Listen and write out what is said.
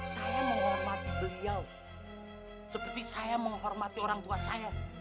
saya menghormati beliau seperti saya menghormati orang tua saya